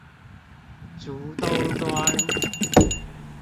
竹東端